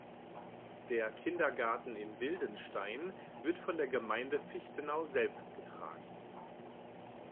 Der Kindergarten in Wildenstein wird von der Gemeinde Fichtenau selbst getragen.